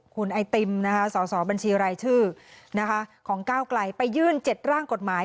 คุณไอติมนะคะส่อส่อบัญชีรายชื่อนะคะของก้าวไกลไปยื่นเจ็ดร่างกฎหมาย